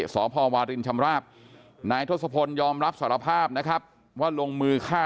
สพวารินชำราบนายทศพลยอมรับสารภาพนะครับว่าลงมือฆ่า